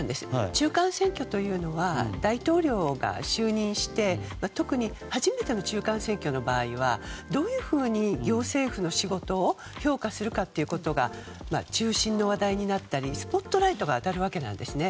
中間選挙というのは大統領が就任して特に初めての中間選挙の場合はどういうふうに行政府の仕事を評価することが中心の話題になったりスポットライトが当たるわけなんですね。